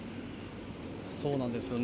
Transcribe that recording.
そうなんですよね。